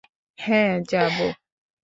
হ্যাঁ, যাব।